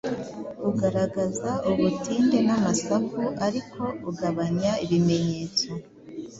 ugaragaza ubutinde n’amasaku ariko ugabanya ibimenyetso: